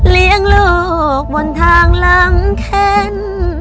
เลี้ยงลูกบนทางหลังเข็น